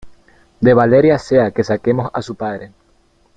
de Valeria sea que saquemos a su padre